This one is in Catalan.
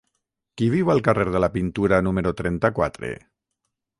Qui viu al carrer de la Pintura número trenta-quatre?